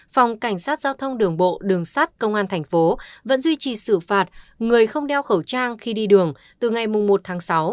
phòng cảnh sát giao thông đường bộ đường sát công an thành phố vẫn duy trì xử phạt người không đeo khẩu trang khi đi đường từ ngày một tháng sáu